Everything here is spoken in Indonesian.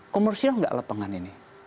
komersial nggak lapangan ini